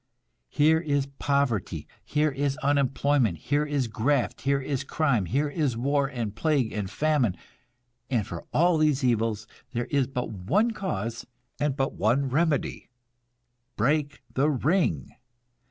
Here is poverty, here is unemployment, here is graft, here is crime, here is war and plague and famine; and for all these evils there is but one cause, and but one remedy. Break the ring!